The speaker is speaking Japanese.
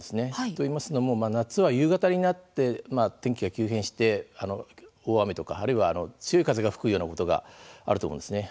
といいますのも夏は夕方になって天気が急変して大雨とか、あるいは強い風が吹くようなことがあると思うんですね。